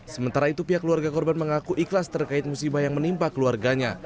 sementara itu pihak keluarga korban mengaku ikhlas terkait musibah yang menimpa keluarganya